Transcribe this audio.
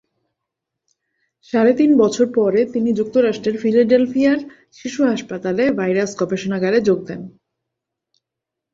সাড়ে তিন বছর পরে তিনি যুক্তরাষ্ট্রের ফিলাডেলফিয়ার শিশু হাসপাতালে ভাইরাস গবেষণাগারে যোগ দেন।